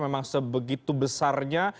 memang sebegitu besarnya